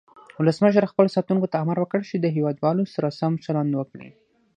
ولسمشر خپلو ساتونکو ته امر وکړ چې د هیواد والو سره سم چلند وکړي.